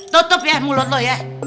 tutup ya mulut lo ya